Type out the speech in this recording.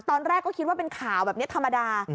ตอนแรกก็คิดว่าเป็นข่าวแบบนี้ธรรมดา